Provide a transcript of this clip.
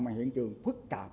mà hiện trường phức tạp